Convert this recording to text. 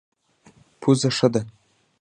پوزه ښه ده.